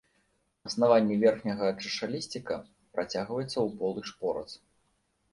Аснаванне верхняга чашалісціка працягваецца ў полы шпорац.